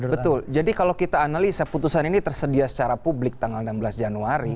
betul jadi kalau kita analisa putusan ini tersedia secara publik tanggal enam belas januari